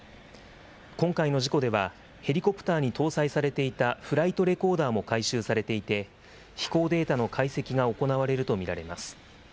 今回の事故では、ヘリコプターに搭載されていたフライトレコーダーも回収されていて、飛行データの解析が行われると見られます。